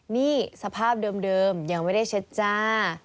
นี่สภาพเดิมยังไม่ได้เช็ดจ้า